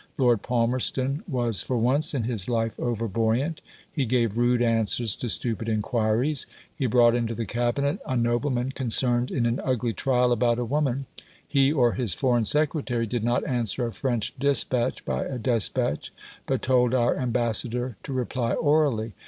Lord Palmerston was for once in his life over buoyant; he gave rude answers to stupid inquiries; he brought into the Cabinet a nobleman concerned in an ugly trial about a woman; he, or his Foreign Secretary, did not answer a French despatch by a despatch, but told our ambassador to reply orally.